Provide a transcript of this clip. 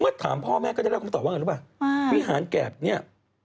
เมื่อถามพ่อแม่ก็ได้รับคำตอบว่าวิหารแก่บเนี่ย